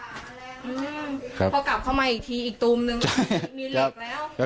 พอกลับเข้ามาอีกทีอีกตูมนึงมีเหล็กแล้ว